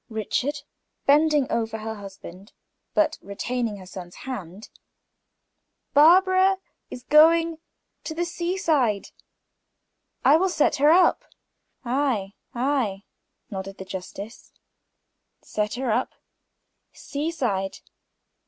Richard" bending over to her husband, but still retaining her son's hand "Barbara has agreed to go to the seaside, I will set her up." "Ay, ay," nodded the justice, "set her up. Seaside?